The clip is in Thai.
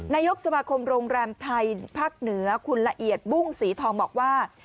นายกสมาคมโรงแรมไทยภาคเหนือคุณละเอียดบุ้งสีทองบอกว่า